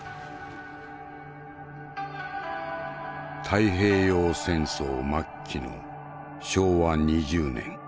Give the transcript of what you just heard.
太平洋戦争末期の昭和２０年。